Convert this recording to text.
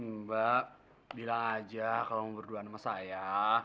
mbak bilang aja kalau mau berdua sama saya